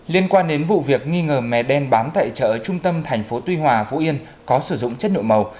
liên quan đến vụ việc nghi ngờ mè đen bán tại chợ trung tâm thành phố tuy hòa phú yên có sử dụng chất lượng màu